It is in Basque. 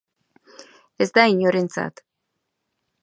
Ez da inorentzat.